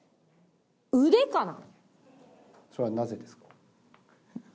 腕かな？